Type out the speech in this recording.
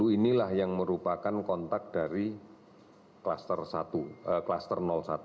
dua puluh inilah yang merupakan kontak dari kluster satu